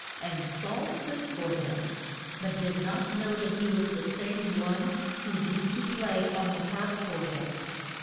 And Saul sent for him, but did not know that he was the same one who used to play on the harp for him.